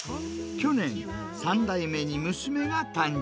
去年、３代目に娘が誕生。